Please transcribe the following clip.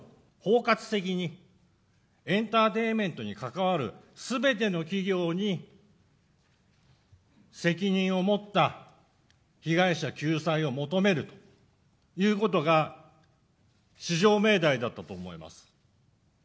包括的にエンターテインメントに関わるすべての企業に責任を持った被害者救済を求めるということが至上命題だと思います。